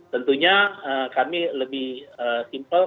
tentunya kami lebih simple